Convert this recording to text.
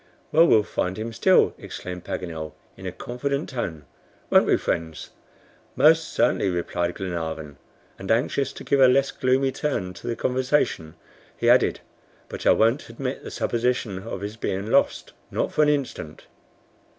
"Well, we'll find him still," exclaimed Paganel, in a confident tone. "Won't we, friends?" "Most certainly," replied Glenarvan; and anxious to give a less gloomy turn to the conversation, he added "But I won't admit the supposition of his being lost, not for an instant."